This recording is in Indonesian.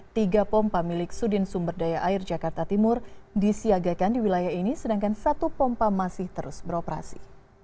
tiga pompa milik sudin sumber daya air jakarta timur disiagakan di wilayah ini sedangkan satu pompa masih terus beroperasi